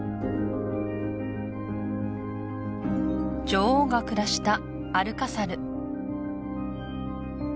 女王が暮らしたアルカサル